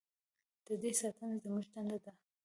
د دې ساتنه زموږ دنده ده